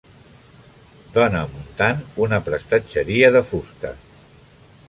Dona muntant una prestatgeria de fusta.